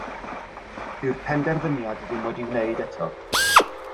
Dyw'r penderfyniad ddim wedi'i wneud eto.